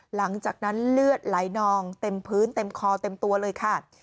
หลังจากนั้นเลือดไหลนองเต็มพื้นเต็มคอเต็มตัวเลยค่ะ